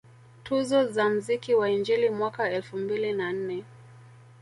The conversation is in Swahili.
Tuzo za mziki wa injili mwaka elfu mbili na nne